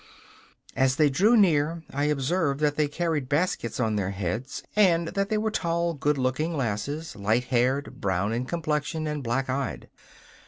As they drew near I observed that they carried baskets on their heads, and that they were tall, good looking lasses, light haired, brown in complexion and black eyed.